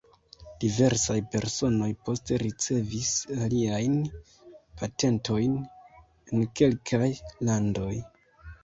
Diversaj personoj poste ricevis aliajn patentojn en kelkaj landoj.